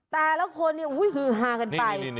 แต่ละคนอุ้ยคือหากันไป